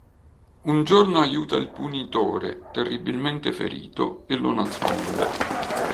Un giorno aiuta il Punitore, terribilmente ferito, e lo nasconde.